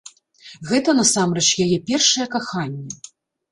Гэта насамрэч яе першае каханне.